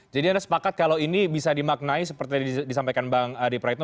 jadi anda sepakat kalau ini bisa dimaknai seperti yang disampaikan bang adi praetno